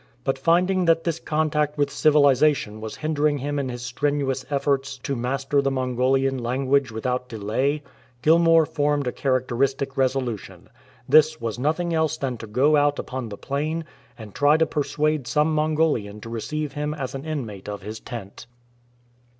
But finding that this contact with civilization was hindering him in his strenuous efforts to master the Mongolian language without delay, Gilmour formed a characteristic resolution. This was nothing else than to go out upon the plain and try to persuade some Mongolian to receive him as an inmate of his tent.